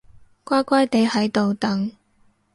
乖乖哋喺度等